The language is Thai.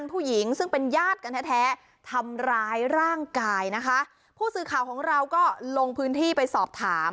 ผู้สื่อข่าวของเราก็ลงพื้นที่ไปสอบถาม